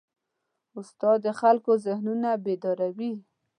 استاد د خلکو ذهنونه بیداروي.